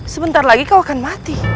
sebentar lagi kau akan mati